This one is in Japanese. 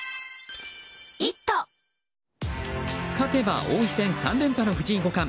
勝てば王位戦３連覇の藤井五冠。